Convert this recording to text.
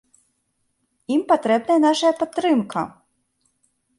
Ім патрэбная наша падтрымка!